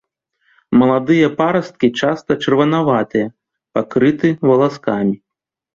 Маладыя парасткі часта чырванаватыя, пакрыты валаскамі.